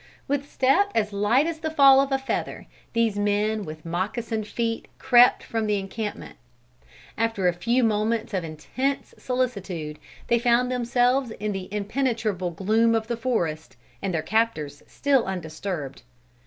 With step as light as the fall of a feather these men with moccasined feet crept from the encampment. After a few moments of intense solicitude, they found themselves in the impenetrable gloom of the forest, and their captors still undisturbed.